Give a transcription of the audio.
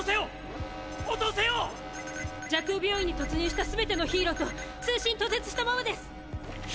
蛇腔病院に突入した全てのヒーローと通信途絶したままですっ！